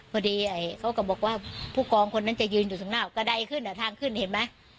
พอดีเขาก็บอกว่าผู้กองคนนั้นจะยืนอยู่ข้างหน้ากระดายขึ้นทางขึ้นเห็นไหม